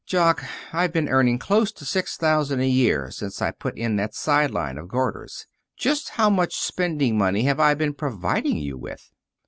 Jock, I've been earning close to six thousand a year since I put in that side line of garters. Just how much spending money have I been providing you with?"